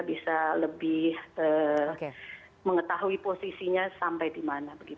bisa lebih mengetahui posisinya sampai di mana